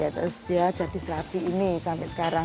terus dia jadi serapi ini sampai sekarang